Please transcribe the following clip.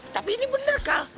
tapi ini bener kal